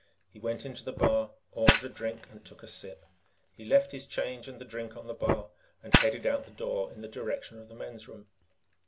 He went into the bar, ordered a drink, and took a sip. He left his change and the drink on the bar and headed out the door in the direction of the men's room.